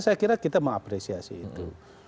saya kira kita mengapresiasi itu